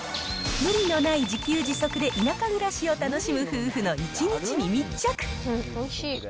無理のない自給自足で田舎暮らしを楽しむ夫婦の一日に密着。